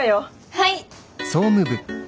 はい！